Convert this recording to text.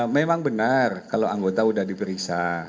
memang benar kalau anggota sudah diperiksa